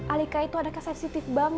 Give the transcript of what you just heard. alika itu adakah sensitif banget